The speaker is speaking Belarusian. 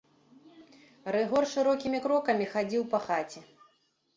Рыгор шырокімі крокамі хадзіў па хаце.